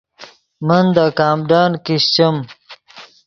من دے کامڈن کیشچیم